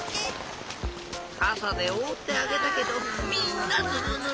かさでおおってあげたけどみんなずぶぬれ。